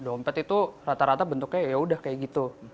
dompet itu rata rata bentuknya yaudah kayak gitu